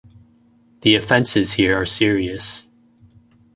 The offenses here are serious.